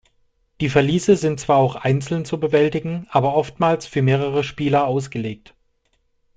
Die Verliese sind zwar auch einzeln zu bewältigen, aber oftmals für mehrere Spieler ausgelegt.